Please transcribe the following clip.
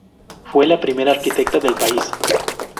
Fue la primera arquitecta del país.